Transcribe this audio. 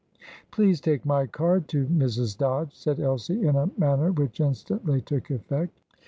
"Please take my card to Mrs. Dodge," said Elsie, in a manner which instantly took effect.